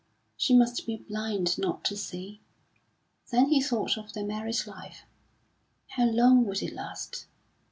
She must be blind not to see. Then he thought of their married life. How long would it last?